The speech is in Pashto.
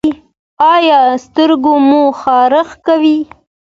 ایا سترګې مو خارښ کوي؟